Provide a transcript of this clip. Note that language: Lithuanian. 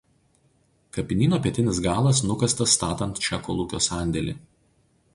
Kapinyno pietinis galas nukastas statant čia kolūkio sandėlį.